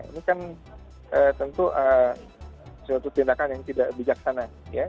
ini kan tentu suatu tindakan yang tidak bijaksana